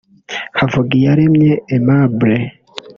Havugiyaremye Aimable